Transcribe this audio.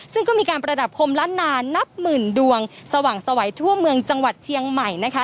ซึ่งก็มีการประดับคมล้านนานับหมื่นดวงสว่างสวัยทั่วเมืองจังหวัดเชียงใหม่นะคะ